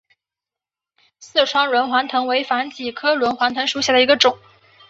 四川轮环藤为防己科轮环藤属下的一个种。